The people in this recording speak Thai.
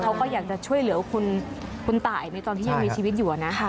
เขาก็อยากจะช่วยเหลือคุณตายในตอนที่ยังมีชีวิตอยู่นะ